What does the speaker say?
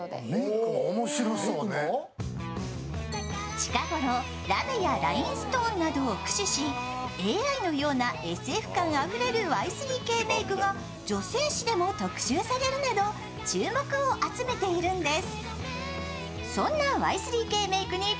近頃、ラメやラインストーンなどを駆使しＡＩのようなＳＦ感あふれるＹ３Ｋメークが女性誌でも特集されるなど、注目を集めているんです。